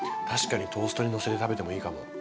確かにトーストにのせて食べてもいいかも。